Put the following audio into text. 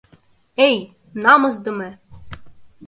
Эй, намысдыме!